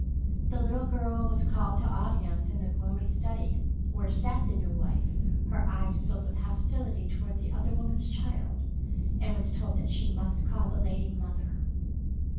The little girl was called to audience in the gloomy study where sat the new wife, her eyes filled with hostility toward the other woman's child, and was told that she must call the lady "Mother."